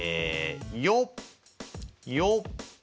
よっよっ。